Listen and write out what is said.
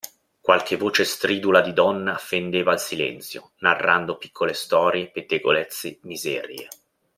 Qualche voce stridula di donna fendeva il silenzio, narrando piccole storie, pettegolezzi, miserie.